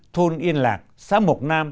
thôn yên lạc xã mộc nam